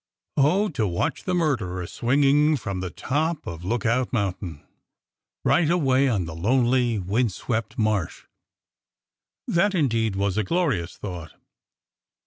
Oh, to watch the murderer swinging from the top of Lookout Mountain, right away on the lonely, windswept Marsh! That, indeed, was a glorious thought.